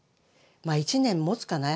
まあ１年もつかな？